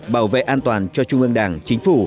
bảo vệ an toàn cho trung ương đảng chính phủ